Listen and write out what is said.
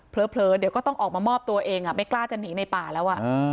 เผลอเดี๋ยวก็ต้องออกมามอบตัวเองไม่กล้าจะหนีในป่าแล้ว